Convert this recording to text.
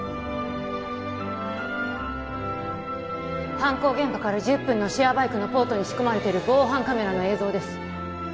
犯行現場から１０分のシェアバイクのポートに仕込まれてる防犯カメラの映像です